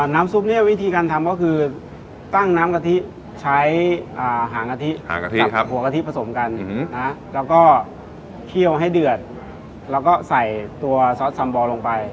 น้ำซุปเนี่ยวิธีการทำก็คือตั้งน้ำกะทิใช้หางกะทิหางกะทิครับหัวกะทิผสมกันแล้วก็เคี่ยวให้เดือดแล้วก็ใส่ตัวซอสซัมบอลลงไป